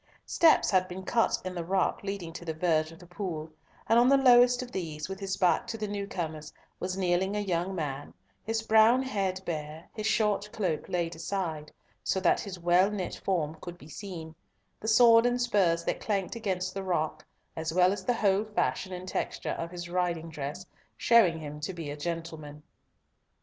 Steps bad been cut in the rock leading to the verge of the pool, and on the lowest of these, with his back to the new comers, was kneeling a young man, his brown head bare, his short cloak laid aside, so that his well knit form could be seen; the sword and spurs that clanked against the rock, as well as the whole fashion and texture of his riding dress, showing him to be a gentleman.